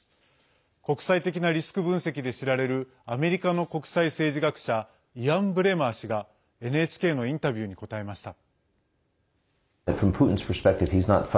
国際的なリスク分析で知られるアメリカの国際政治学者イアン・ブレマー氏がＮＨＫのインタビューに答えました。